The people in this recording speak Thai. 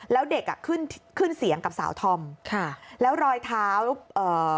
แล้วเด็กอ่ะขึ้นขึ้นเสียงกับสาวธอมค่ะแล้วรอยเท้าเอ่อ